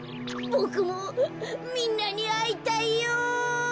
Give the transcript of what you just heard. ボクもみんなにあいたいよ。